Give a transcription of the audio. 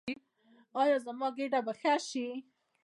ایا زما ګیډه به ښه شي؟